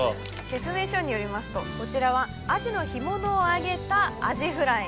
説明書によりますとこちらはアジの干物を揚げたアジフライ。